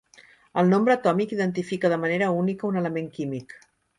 El nombre atòmic identifica de manera única un element químic.